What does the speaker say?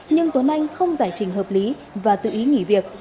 nhưng tuấn anh không giải trình hợp lý và tự ý nghỉ việc